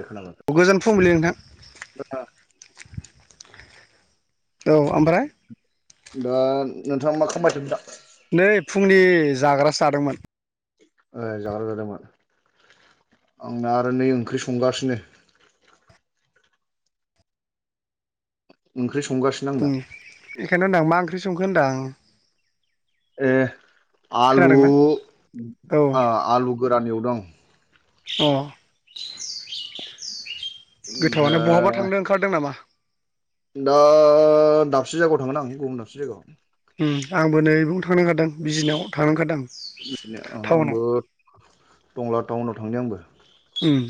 खोनाबाय गोजोन फुंबिलि नोंथां। औ ओमफ्राय। दा नोंथाङा मा खामायदों दा? नै फुंनि जाग्रासो जादोंमोन। ओ जागरा जादोंमोन। आंना आरो नै ओंख्रि संगासिनो। ओंख्रि स। फुंनि बेखायनो होनदां मा ओंख्रि संखो होनदां। ए आलु खोनादोंना औ आ आलु गोरान एउदों। अ। गोथावानो बहाबा ओमफ्राय थांनो ओंखारदों नामा। दा दाबसे जायगायाव थांगोन आं गुबुन दाबसे जायगायाव। ओम आंबो नैबं थांनोओंखारदों। बिजिनाव थांनो ओंखारदों आं। बिफोमिनो आंबो टंला टाउनाव थांनि आंबो। ओम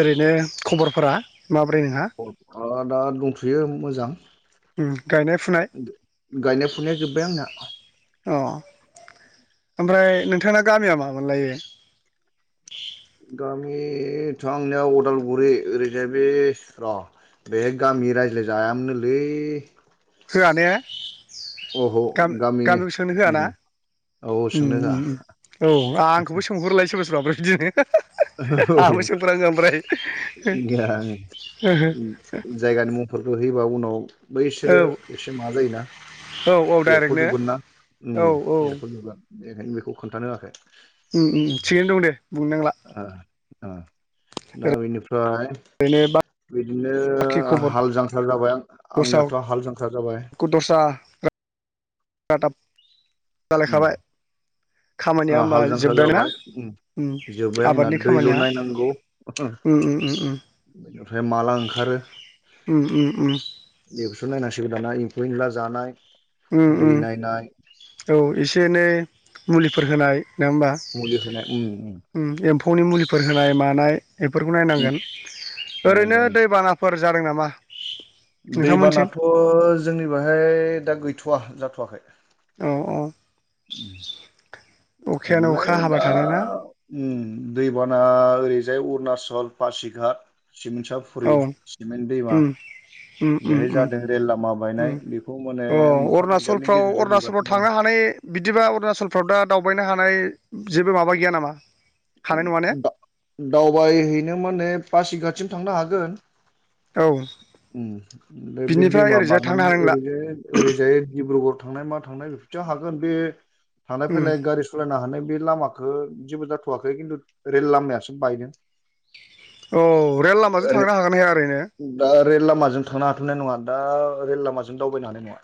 ओरैनो खबरफोरा? माब्रै नोंहा औ आ दा दंथ'यो मोजां। उम गायनाय फुनाय गायनाय फुनाया जोब्बाय आंना। अ ओमफ्राय नोंथांना गामिया मा मोनलायो? गामिथ' आंनिआ उदालगुरि। ओरैजाय बे र' बेहाय गामि रायज्लाय जायामोनलै होआ ने गाम गामि गामिखो सोंनो होआ ना? उम औ ओम सोंनो ओम ओम औ आंखौबो सोंहरलाय सोरबा सोरबाब बिदिनो। होआ आंआबो सोंफलाङो ओमफ्राय। जायगानि मुंफोरखौ होयोबा उनाव बैसोरो औ एसे माबा जायोना। औ औ डाइरेक्टनो एरख'जोबगोन ना औ औ एरख'जोबगोन बेखायनो बेखौ खोन्थानो होआखै। ओम ओम थिगैनो दं दे बुंनोनांला। ओ दा बेनिफ्राय ओरैनो बिदिनो बाखि खबर हाल जांखा् जाबाय। दस्रा आंनियाथ' हाल जांखा् जाबाय। साटप उम जालायखाबाय। खामानिया ओ होमबा हाल जांख्रा जोब्बाय ना जाबाय। उम जोब्बाय आंना आबादनि दैल' खामानिया नायनांगौ। उम उम उम ओमफ्राय माला ओंखारो उम उम उम बेखौस' नायनांसिगो जों गदाना एम्फौ एनला जानाय, उम दै उम नायनाय औ एसे एनै मुलिफोर होनाय नङा होमबा मुलि होनाय उम उम ओम एम्फौनि मुलिफोर होनाय मानाय। बेफोरखौ उम नायनांगोन। ओरैनो नायनांगौ दैबानाफोर जादों नामा? नोंथांमोनथिं दैबानाथ' जोंनि बेहाय दा गैथ'वा जाथ'वाखै। औ अ ओरैलाय दा उम दैबाना ओरैजाय अरुणाचल, पासिघाट, औ सिमन्साफुरि, सिमेन्ट दैमा। उम उम उम बेहाय उम जादों रेल लामा उम बायनाय बेखौ माने अ मोखां बिजाबनि गेजेरजों नुगासिनो दं। बे बिदिबा अरुणाचलफ्राव दा दावबायनो हानाय जेबो माबा गैया नामा? हानाय नङा ने दावबायहैनो माने पासिघातसिम थांनो हागोन। औ उम ओमफ्राय बे बिनिफ्राय दैमा ओरैजाय थांनो बारनानै हानाय नंला ओरैजाय ओरैजाय डि्बरुगर थांनाय मा थांनाय बेैफोदिआव हागोन बे थांलाय उम फैलाय गारि सलाइनो हानाय ब बे लामाखो जेबो जाथ'वाखै खिन्थु रेल लामायासो बायदों। औ रेल लामाजों ओरै थांनो हागोना हाया ओरैनो? दा रेल लामाजों थांनो हाथनाय नङा। दा रेल लामाजों दावबायनो हानाय नङा।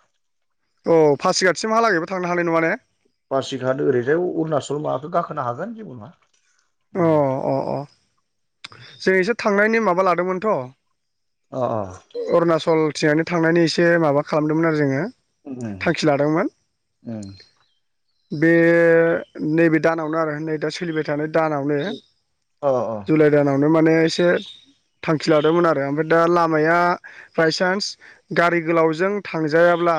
अ पासिघाटसिमहालागैबो थांनो हानाय नङा ने? पारसिघात ओरैहाय अरुणाचल माबादो गाखोनो हागोन जेबो नङा। अ अ उम- जों एसे थांनायनि माबा लादोंमोनथ'। अ अ अरुनाचल टिङांथांनायनि एसे माबा खालामदोंमोन आरो जोङो। उम थांखि लादोंमोन। उम बे नैबे दानावनो आरो नै दा सोलिबाय थानाय दानावनो अ अ जुलाइ बे माने एसे थांखि लादोंमोन आरो ओमफ्राय दा लामाया बायसान्स गारि गोलावजों थांजायाब्ला ब्ला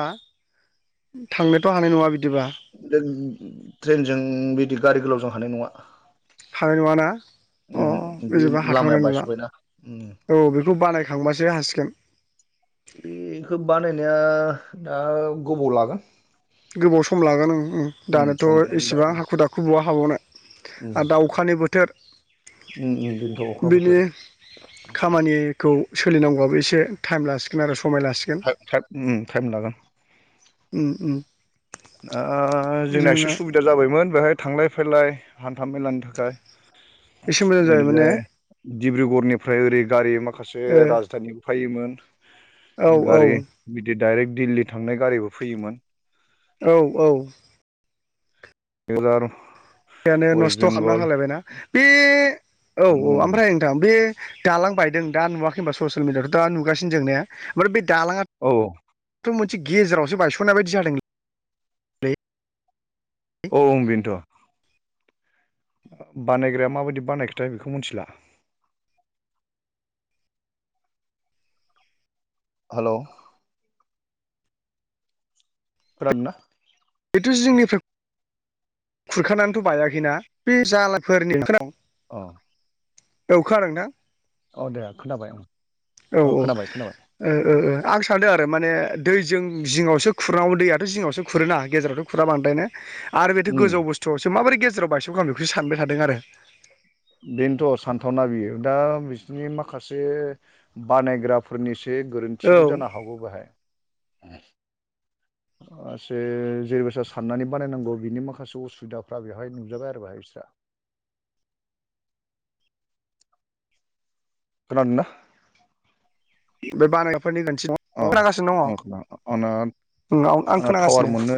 थांनोथ' हानाय नङा बिदि ट्रेन ट्रेनजों बिदि गारि गोलावजों हानाय नङा। हानाय नङाना? अ उमहो बे बेदिबा लामाया हाथावनाय नुला। बायस'बायना उम औ बेखौ बानायखांबासो सो हासिगोन। बेखौ बानायनाया दा गोबाव लागोन। गोबाव सम लागोन उम-उम उम सम दानोथ' लागोन दा एसेबां हाखु दाखु बहा हाबावनो। उम आरो दा अखानि बोथोर उम उम बेनोथ' अखा बिनि। बोथोर खामानिखौ सोलिनांगौबाबो एसे टाइम लासिगोन आरो समाय लासिगोन थाइब-थाइब उम थाइम लाागोन। उम उम। ओ जोंना एसे सुबिदा जाबायमोन बेहाय थांलाय फैलाय हान्था मेलानि थाखाय। एसे मोजां जाबायमोन ने ओरैजाय दिडब्रुगरनिफ्राय ओरै गारि माखासे राजधानि फैयोमोन। ओ औ गारि बिदि दडाइरेक्ट दिल्ली थांनाय गारिबो फैयोमोन। औ औ दोलां अखायानो नस्थ' खालामना हालायबायन बे औ औ ओमफ्राय नोंथां बे दालां बायदों दा नुवाखै होनबा ससियेल मिडियाथ' दा नुगासिनो जोंनाया ने? ओमफ्राय बे औ दालाङाथ' मोनसे गेजेरावसो बायस'नाय बायदि जादोंलै औ बेनोथ'। बानायग्राया माबायदि बानायखोथाय बेखौ मिथिला। हेल' खोनादों ना? बेथ' जोंनिफ्राय खुरखानानैथ' बायाखैना बे जालाफोरनि [unintelligible] अ [inaudible] औ‌ खोनादों ना? औ दे खोनाबाय औ औ ओ खोनाबाय खोनाबाय ओ आं सानो आरो माने दैजों जिङावसो खुरनांगौमोन। दैयाथ' जिङावसो खुरो ना गेजेरावथ' खुरा बांद्रायनो आरो उम गोजौ बुस्थुआवसो माबोरै गेजेराव बायसखो आं बेखौसो सानबाय थादों आरो? बेनोथ' सान्थावना बियो। दा बिसोरनि माखासे बानायग्राफोरनि सायाव जे औ गोरोन्थिबो जानो हागौ बेहाय। [inaudible] ओ जेरैबोसा साननानै बानायनांगौ बिनि माखासे उसुबिदाफ्रा बेवहाय नुजाबाय आरो बेहाय बेस्रा। [inaudible] खोनादों ना? बे बान [unintelligible] फोरनि [unintelligible] खोनागासिनो औ खोनादों आंना दङ आं आंना टावार खोनागासिनो। मोननो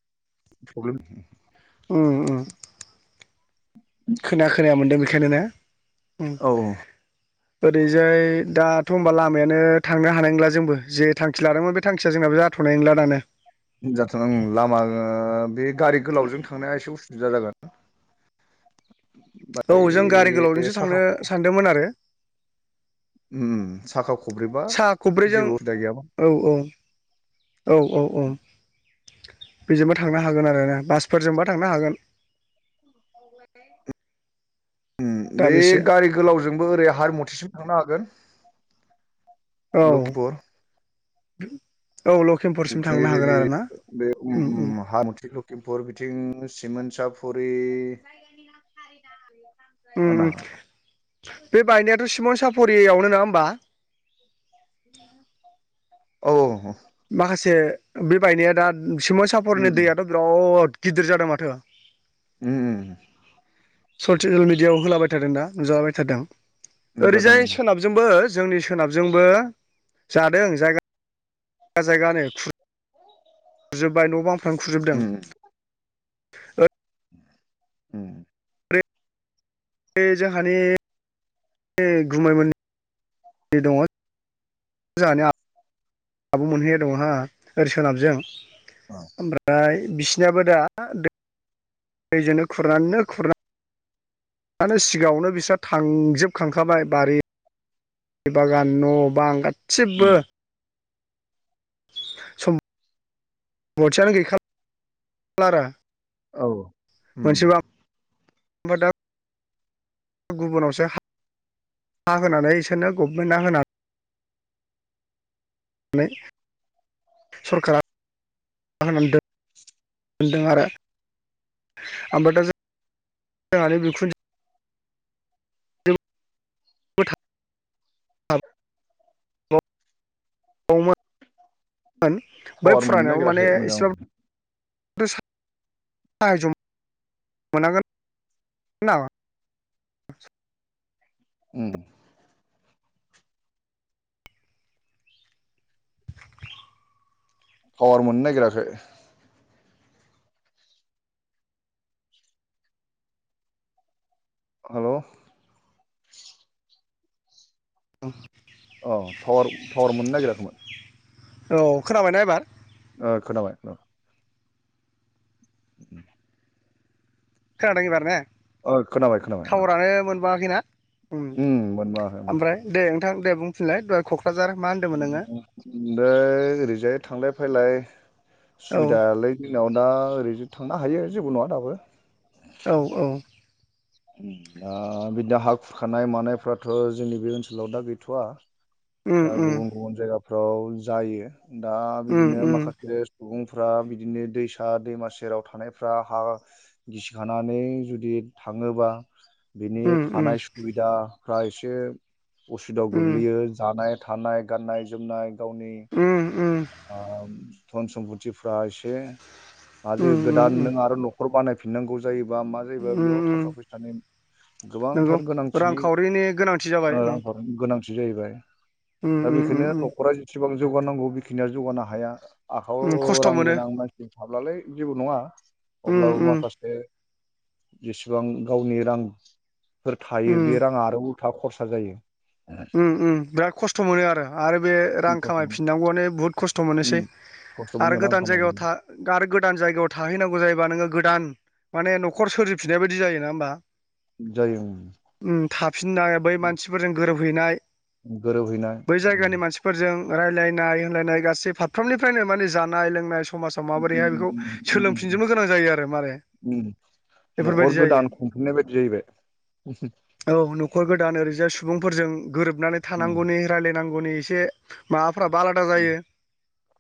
[unintelligible] खोना खोनाया मोनदों बेखायनो ने? औ ओरैजाय दाथ' होनबा लामायानो थांनो हानाय नंला जोंबो। जे थांखि लादोंमोन बे थांखिया जोंनाबो जाथ' जाथनाय नंला दानो। जाथला उम लामा ओ बे गारि गोलावजों थांनाया एसे उसुबिदा जागोन। [inaudible] औ जों गारि बे गोलावजोंसो साखा थांनो सानदोंमोन आरो। उम साखा खब्रैबा सा खब्रैजों जेबो उसुबिदा गैयामोन। औ औ औ औ औ! बेजोंबो थांनो हागोन आरोना बासफोरजोंबा थांनो हागोन। उम दा बे बेसे गारि गोलावजोंबो ओरै हार मुथिसिम थांनो हागोन। लखिपुर द ओरै बे उम उम हारमुथि लखिमपुर बिथिं सिमोन साफरि उम उम बे बायनायाथ' सिमोन साफरि फरियावनो नङा होमबा? औ माखासे बे बायनाया दा सिमयसापरनि उम दैयाथ' बिराद गिदिर जादों माथो उम ससियेल मिडियाआव होलाबाय थादोंना नुजाबाय थादों उम जादों उम ओरैजाय सोनाबजोंबो। जोंनि सोनाबजोंबो जादों जायगा जाजायगानो खुर खुजोबबाय न' बांफ्रां खुरजोबदों उम ओ उम बे जोंहानि गुमैमोनि दंङ जोंंहानि आब आब' मोनहैनाय दंङ हो ओरै सोनाबजों ओमफ्राय बिसिनयाबो दा दै दैजोंनो खुरनानैनो खुरना आनो सिगाङावनो बिस्रा थांजोबखांखाबाय बारि दै बागान न' बां उम गाससिबो सम बथियानो गैखा लारा औ ओम होमबादाब गुबुनावसो हा हा होनानै इसोरनो गभमेन्टआ होना नै सरकारा होननानै दोन मोनदों आरो ओमफ्राय दा जों जोंहानि बिखुनजो बोथा [unintelligible] मोन बै टावार मोननो फुरायनायाव माने नागिराखै मोजां उम एसेबाबो [inaudible] [unintelligible] मोनांगोन ना उम [inaudible] पावार मोननो नागिराखै हेल' ओं अ टावर-टावार मोननो नागिराखैमोन औ खोनाबायना एबार ओ खोनाबाय ओ [inaudible] खोनादों एबारने ओइ खोनाबाय खोनाबाय माबाखैना ओम उम मोनबोआखै आमफ्राय दे नोंथां दे बुंफिनलाय दहाय खख दै ओरैजाय थांलाय फैलाय औ सुबिदायालाय जोंनाव दा ओरै थांनो हायो जेबो नंङा दाबो औ औ ओ बि दा हा खुरखानाय मानायफ्राथ' जोंनि बे ओनसोलाव दा गैथ'वा उम दा उम गुबुन गुबुन जायगाफ्राव जायो दा उम बिदिनो उम माखासे सुबुं फ्रा बिदिनो दैसा दैमा सेराव थानायफ्रा हा गिसिखानानै जुदि थांङोबा बिनि उम थानाय सुबिदाफ्रा एसे असिदाव उम गोग्लैयो जानाय थानाय गाननाय जोमनाय गावनि उम उम उम ओ धन सम्पथिफ्रा एसे मा जायो उम उम गोदान नों आरो न'खर बानायफिनांगौ जायोबा मा जायोबा बेयाव उम थाखा फैसानि नंगौ गोबांथार गोनांथिनि रांखावरिनि गोनांथि जाबाय ओ उम रां खावरिनि गोनां जाहैबाय उम दा उम उम बेखौनो न'खरा जेसेबां जौगानांगौ बेखिनिया जौगानो हाया उम आखयाव खस्थ' रां मोनो गोनां मानसि थाब्लालाय जेबो नंङा उम अब्लाबो उम माखासे जेसेबां गावनि रांफोर थायो उम बे रांङा आरो उल्था खरसा जायो ओम ओम बिराद खस्थ' मोनो आरो आरो बे रां खस्थ' मोनो खामायफिननांगौआनो बुहुत खस थ' उम मोननोसै खस्थ' आरो मोनो रां गोदान जायगायाव खामायनो थां आरो गोदान जायगायाव थाहैनांगौ जायोबा नोङो गोदान। माने न'खर सोरजिफिननाय बायदि जायो नङा होमबा। जायो उम थाफिन नाय बै मानसिफोरजों गोरोबहैनाय। गोरोबहैनाय बै उम जायगानि मानसिफोरजों। रायलायनाय होनलायनाय गासै फारफ्रोमनिफ्रायनो माने जानाय लोंनाय समाजाव उम माबोरैहाय बेखौ उम उम सोलोंफिनजोबनो गोनां जायो आरो मारै। उम न'खर गोदान खुंफिननाय बायदि जायैबाय। औ न'खर गोदान ओरैजाय सुबुं फोरजों गोरोबनानै उम थानांगौनि रायलायनांगौनि एसे माबाफोर फोराबा आलादा उम जायो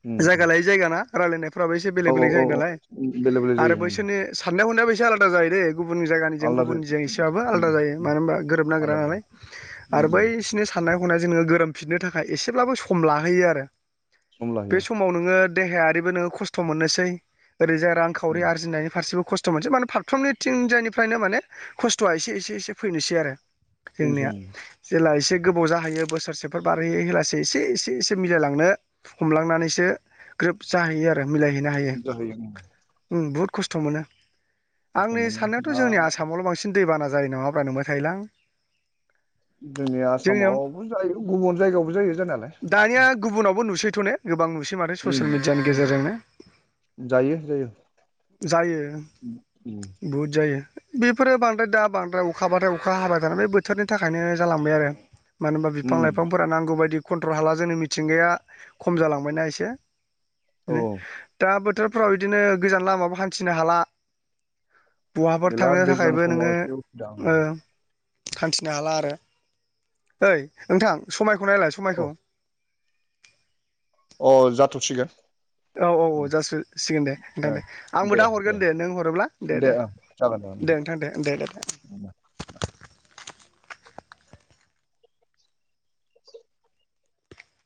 उम उम। जायगा लायै जायगा ना रायलायनाय फ्राबो एसे औ बेलेक औ बेलेग औ जायो औ नालाय उम, बेले बेले आरो जायो उम बैसोरनि साननाय हनायाबो एसे आलादा जायो दे। गुबुन जायगानिजों आलदा जायो गुबुननिजों एसे बाबो उम आलदा जायो उम मानो होनबा गोरोब नागेरा आलादा नालाय। जायो आरो उम उम बैसिनि साननाय हनाय जोंनो गोरोमफिननो थाखाय एसेब्लाबो सम लाहैयो आरो। सम बे लायो समाव नोङो देहायारिबो नोङो खस्थ' मोननोसै। ओरैजा रांखावरि उम आरजिनायनि फारसेबो खस्थ' मोनसै माने फाथफ्रामनो थिंजायनिफ्रायनो माने खस्थ'आ एसे एसे एसे फैनोसै आरो। फैनोसै जोंनिया ओं। जेला एसे गोबाव जाहैयो बोसोरसेफोर बारहैयो एलासे एसे एसे एसे मिलायलांनो हमलांनानैसो ग्रोब जाहैयो आरो मिलायहैनो हायो जाहैयो उम ओ बुहुद खस्थ' मोनो। खस्थ' आंनि मोनो साननायाथ' दा जोंनि आसामावल' बांसिन दैबाना जायो नामाब्रा नंबाय थायोलां। जोंनि जोंनियाव आसामावबो जायो गुबुन जायगायावबो जायो जानायालाय उ। थ' ने गोबां नुसै माथो ससियेल मिडियानि गेजेरजोंनो ने। जायो जायो जायो उम उम बहुद जायो। बेफोरो बांद्राय दा बांद्राय अखाबाथाय अखा हाबाय थानानै बे बोथोरनि थाखायनो जालांबाय आरो। मानो होनबा बिफां उम, लाइफांफोरा नांगौ बायदि कन्ट्रल हाला जोंनि मिथिंगाया खम जालांबायना एसे। औ नो दा बोथोरफ्राव इदिनो गोजान लामाबो हान्थिनो हाला। बहाफोर गैला थांनो दैज्लां थाखायबो समाव नोङो एसे उसुबिदा उम, ओ हान्थिनो हाला आरो ओइ ओनथां समायखौ नायलाय औ समायखौ? अ जाथ'सिगोन। औ औ औ उम जासो सिगोन दे नोंथां ओ दे आंबो दा हरगोन दे नों हरोब्ला दे दे। ओं जागोन जागोन दे नोंथां दे दे दे दे। उम [inaudible]